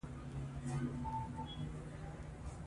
راځئ چې خپله ژبه نوره هم پیاوړې کړو.